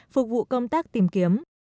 phục vụ công tác tìm kiếm